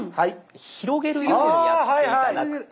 広げるようにやって頂くと。